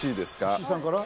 石井さんから？